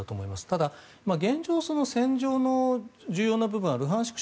ただ、現状その戦場の重要な部分はルハンシク